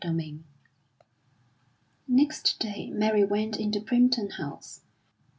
VII Next day Mary went into Primpton House.